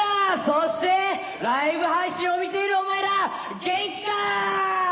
そしてライブ配信を見ているお前ら元気か！